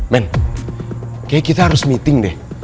men kayaknya kita harus meeting deh